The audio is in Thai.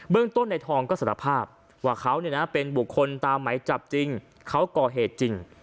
เรื่องต้นในทองก็สารภาพว่าเขาเป็นบุคคลตามไหมจับจริงเขาก่อเหตุจริง